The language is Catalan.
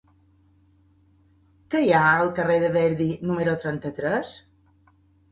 Què hi ha al carrer de Verdi número trenta-tres?